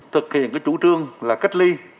thực hiện cái chủ trương là cách ly